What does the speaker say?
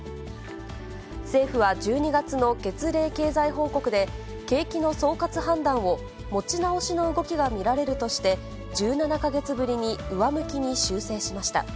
政府は１２月の月例経済報告で、景気の総括判断を持ち直しの動きが見られるとして、１７か月ぶりに上向きに修正しました。